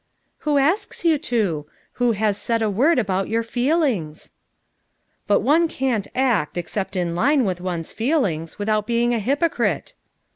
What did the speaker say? "Who asks you to? Who has said a word about your feelings?" "But one can't act, except in line. with one's feelings, without being a hypocrite."